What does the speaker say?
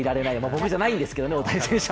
僕じゃないんですけどね、大谷選手は。